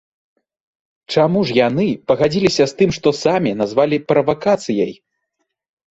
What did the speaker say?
Чаму ж яны пагадзіліся з тым, што самі ж назвалі правакацыяй?